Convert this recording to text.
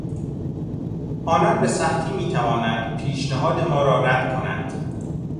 آنان به سختی میتوانند پیشنهاد ما را رد کنند.